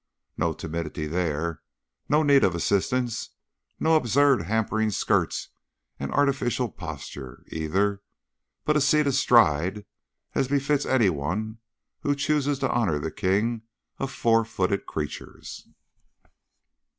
No timidity there, no need of assistance; no absurd, hampering skirts and artificial posture, either, but a seat astride as befits anyone who chooses to honor the king of four footed creatures.